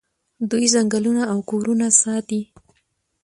دوی ځنګلونه او کورونه ساتي.